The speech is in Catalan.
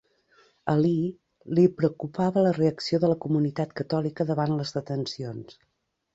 A Lee li preocupava la reacció de la comunitat catòlica davant les detencions.